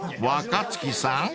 ［若槻さん］